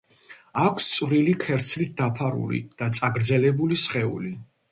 აქვს წვრილი ქერცლით დაფარული და წაგრძელებული სხეული.